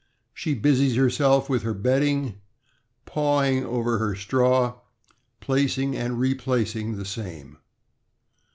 She busies herself with her bedding, paw ing over her straw, placing and replacing the same.